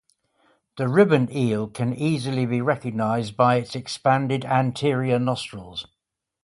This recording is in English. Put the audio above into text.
The ribbon eel can easily be recognised by its expanded anterior nostrils.